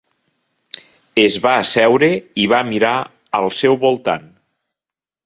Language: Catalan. Es va asseure i va mirar al seu voltant.